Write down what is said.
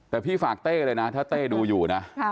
แต่พี่ฝากเต้เลยนะถ้าเต้ดูอยู่นะ